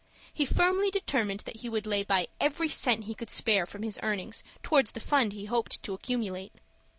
He firmly determined that he would lay by every cent he could spare from his earnings towards the fund he hoped to accumulate.